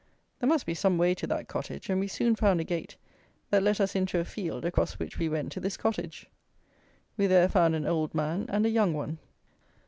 There must be some way to that cottage; and we soon found a gate that let us into a field, across which we went to this cottage. We there found an old man and a young one.